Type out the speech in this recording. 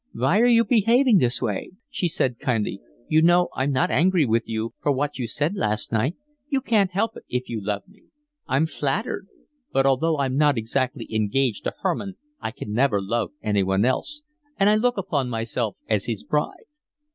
"Why are you behaving in this way?" she said kindly. "You know, I'm not angry with you for what you said last night. You can't help it if you love me. I'm flattered. But although I'm not exactly engaged to Hermann I can never love anyone else, and I look upon myself as his bride."